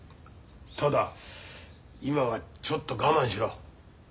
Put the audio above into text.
ただ今はちょっと我慢しろ。